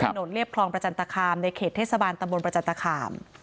เรียบคลองประจันตคามในเขตเทศบาลตำบลประจันตคาม